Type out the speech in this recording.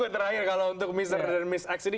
terakhir kalau untuk miss err dan miss x